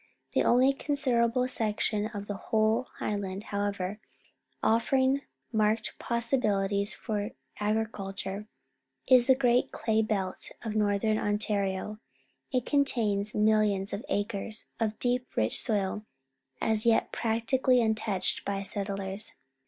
The only considerable section of the whole highland, however, offering marked possibilities for agriculture is the Great CIo ilMeIJu oi Northern Ontario. It contains millions of acres of deep, rich •soil, as yet practically untouched by settlers.